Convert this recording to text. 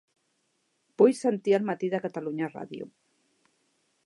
Vull sentir El matí de Catalunya Ràdio.